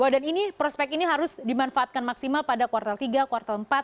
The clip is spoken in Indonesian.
dan ini prospek ini harus dimanfaatkan maksimal pada kuartal tiga kuartal empat